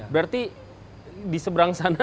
berarti di seberang sana